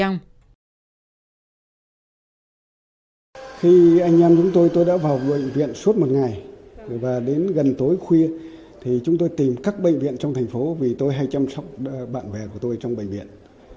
ông đường đã đạp xe đi khắp các bệnh viện trong thành phố để tìm bạn